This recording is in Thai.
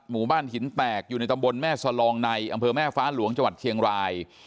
หมู่บ้านหินแตกอยู่ในตำบลแม่สลองในอำเภอแม่ฟ้าหลวงจังหวัดเชียงราย